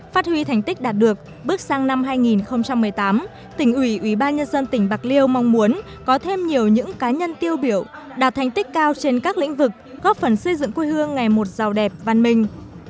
phát huy thành tích đạt được bước sang năm hai nghìn một mươi tám tỉnh ủy ủy ban nhân dân tỉnh bạc liêu mong muốn có thêm nhiều những cá nhân tiêu biểu đạt thành tích cao trên các lĩnh vực góp phần xây dựng quê hương ngày một giàu đẹp văn minh